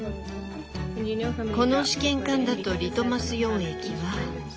この試験管だとリトマス溶液は。